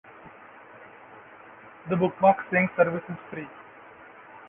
The BookmarkSync service is free.